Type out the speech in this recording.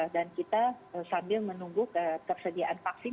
dan kita sambil menunggu tersediaan vaksin